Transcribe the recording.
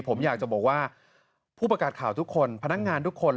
ผมอยากจะบอกว่าผู้ประกาศข่าวทุกคนพนักงานทุกคน